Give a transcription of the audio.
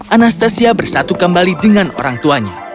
anastasia bersatu kembali dengan orang tuanya